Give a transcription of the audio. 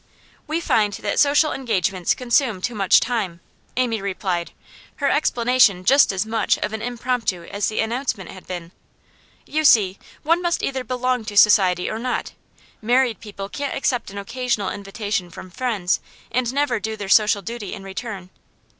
'We find that social engagements consume too much time,' Amy replied, her explanation just as much of an impromptu as the announcement had been. 'You see, one must either belong to society or not. Married people can't accept an occasional invitation from friends and never do their social duty in return.